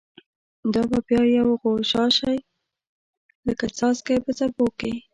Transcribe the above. دا به بیا یوه غوغاشی، لکه څاڅکی په څپو کی